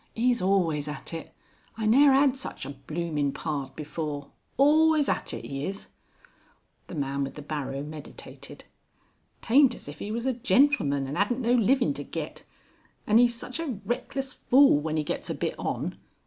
'E's always at it. I ne'er 'ad such a blooming pard before. Always at it, 'e is." The man with the barrow meditated. "Taint as if 'e was a gentleman and 'adnt no livin' to get. An' 'e's such a reckless fool when 'e gets a bit on.